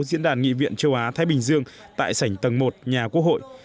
diễn đàn nghị viện châu á thái bình dương tại sảnh tầng một nhà quốc hội